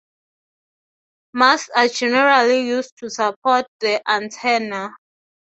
Masts are generally used to support the antenna.